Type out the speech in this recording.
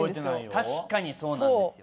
確かにそうなんですよ